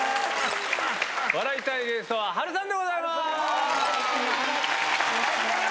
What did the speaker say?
笑いたいゲストは波瑠さんでございます。